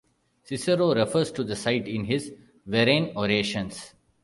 Cicero refers to the site in his Verrine orations.